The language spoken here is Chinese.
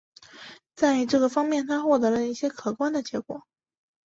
在这个方面他获得了一些可观的结果。